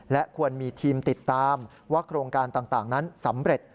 และควรมีทีมติดตามว่าโครงการต่างนั้นสำเร็จ